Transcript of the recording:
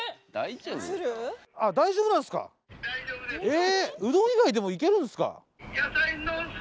え！？